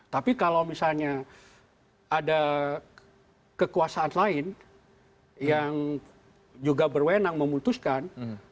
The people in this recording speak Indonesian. tapi kalau misalnya ada kekuasaan lain yang juga berwenang memutuskan